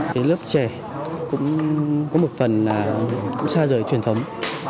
thì lớp trẻ cũng có một phần là cũng xa rời truyền thống